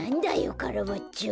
カラバッチョ。